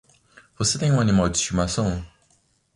Você tem um animal de estimação?